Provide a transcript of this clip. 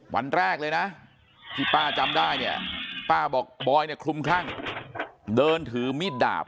วันแรกเลยนะที่ป้าจำได้เนี่ยป้าบอกบอยเนี่ยคลุมคลั่งเดินถือมีดดาบ